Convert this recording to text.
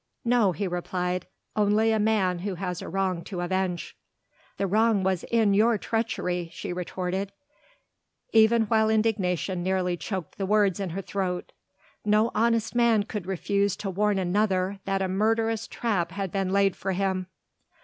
"No," he replied, "only a man who has a wrong to avenge." "The wrong was in your treachery," she retorted, even while indignation nearly choked the words in her throat, "no honest man could refuse to warn another that a murderous trap had been laid for him."